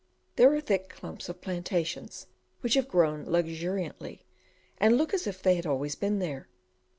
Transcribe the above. There are thick clumps of plantations, which have grown luxuriantly, and look as if they had always been there.